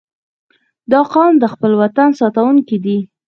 • دا قوم د خپل وطن ساتونکي دي.